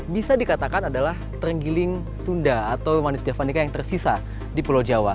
bisa dikatakan adalah terenggiling sunda atau manis javanica yang tersisa di pulau jawa